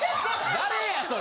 誰やそれ！